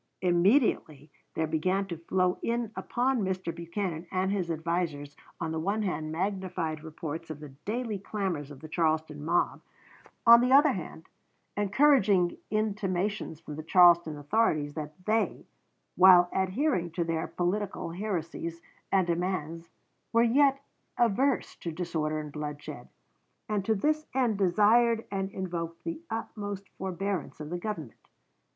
Immediately there began to flow in upon Mr. Buchanan and his advisers, on the one hand magnified reports of the daily clamors of the Charleston mob, on the other hand encouraging intimations from the Charleston authorities that they, while adhering to their political heresies and demands, were yet averse to disorder and bloodshed, and to this end desired and invoked the utmost forbearance of the Government.